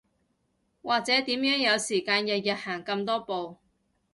或者點樣有時間日日行咁多步